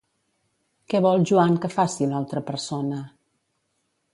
Què vol Joan que faci l'altra persona?